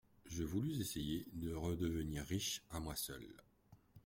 Je voulus essayer de redevenir riche à moi seule.